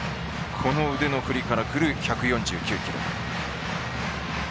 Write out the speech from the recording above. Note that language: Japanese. この腕の振りからくる１４９キロ。